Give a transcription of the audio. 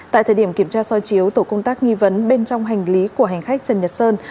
tại thời điểm kiểm tra soi chiếu tổ công tác nghi vấn bên trong hành lý của hành khách trần nhật sơn